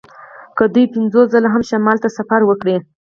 که دوی پنځوس ځله هم شمال ته سفر وکړي